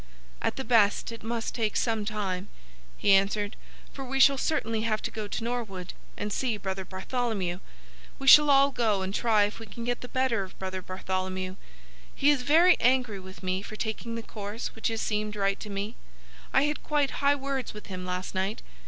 "At the best it must take some time," he answered; "for we shall certainly have to go to Norwood and see Brother Bartholomew. We shall all go and try if we can get the better of Brother Bartholomew. He is very angry with me for taking the course which has seemed right to me. I had quite high words with him last night.